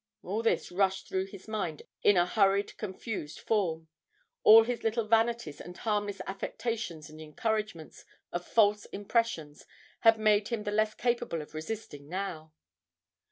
All this rushed through his mind in a hurried, confused form; all his little vanities and harmless affectations and encouragements of false impressions had made him the less capable of resisting now.